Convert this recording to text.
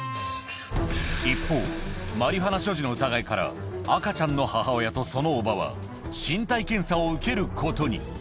一方、マリファナ所持の疑いから、赤ちゃんの母親とその叔母は、身体検査を受けることに。